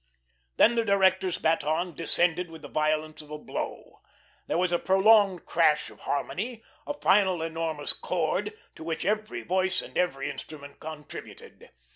Then the director's baton descended with the violence of a blow. There was a prolonged crash of harmony, a final enormous chord, to which every voice and every instrument contributed.